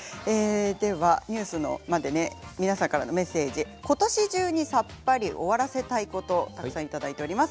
皆さんからのメッセージことし中にさっぱり終わらせたいこと、たくさんいただいています。